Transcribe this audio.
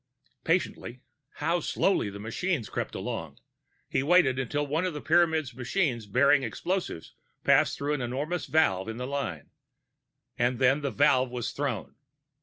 Patiently (how slowly the machines crept along!) he waited until one of the Pyramids' machines bearing explosives passed through an enormous valve in the line and then the valve was thrown.